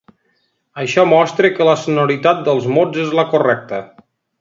Això mostra que la sonoritat dels mots és la correcta.